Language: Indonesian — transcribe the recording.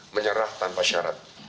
menyerah tanpa syarat